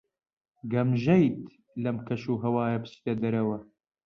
گەمژەیت لەم کەشوهەوایە بچیتە دەرەوە.